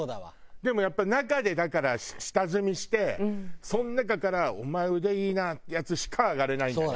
でもやっぱ中でだから下積みしてその中から「お前腕いいな」ってヤツしか上がれないんだね。